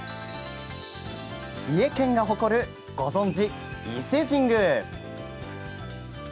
三重県が誇るご存じ伊勢神宮。